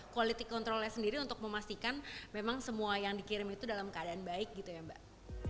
quality controlnya sendiri untuk memastikan memang semua yang dikirim itu dalam keadaan baik gitu ya mbak